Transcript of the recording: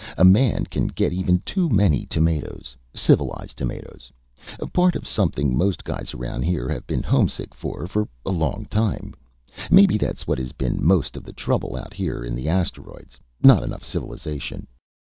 A man can get even too many tomatoes. Civilized tomatoes. Part of something most guys around here have been homesick for, for a long time.... Maybe that's what has been most of the trouble out here in the asteroids. Not enough civilization.